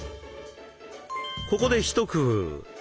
ここで一工夫。